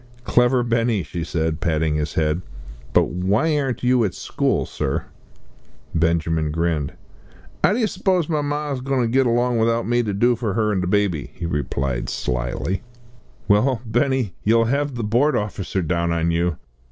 "Clever Benny," she said, patting his head; "but why aren't you at school, sir?" Benjamin grinned. "'Ow d'yer s'pose my ma's goin' to git along without me to do for 'er and the babby?" he replied slily. "Well, Benny, you'll have the Board officer down on you."